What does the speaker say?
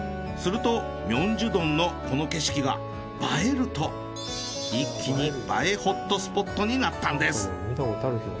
するとミョンジュ洞のこの景色が映えると一気に映えホットスポットになったんです。